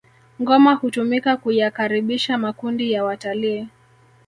ngoma hutumika kuyakaribisha makundi ya watalii